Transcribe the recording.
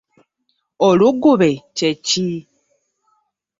Oluggube kye ki?